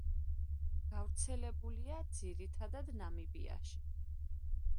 გავრცელებულია, ძირითადად, ნამიბიაში.